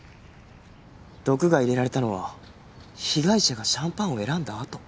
毒が入れられたのは被害者がシャンパンを選んだあと？